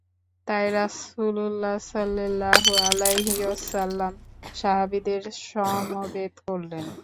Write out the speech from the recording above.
তাই রাসূলুল্লাহ সাল্লাল্লাহু আলাইহি ওয়াসাল্লাম সাহাবীদের সমবেত করলেন।